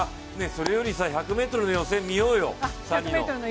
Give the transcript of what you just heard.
それよりさ、１００ｍの予選見ようよ、サニの。